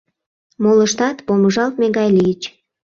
Молыштат помыжалтме гай лийыч.